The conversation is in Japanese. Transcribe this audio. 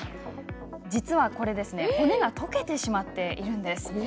実は、これ骨が溶けてしまっているんです。